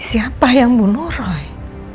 jadi siapa yang bunuh roy